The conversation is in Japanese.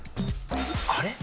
あれ？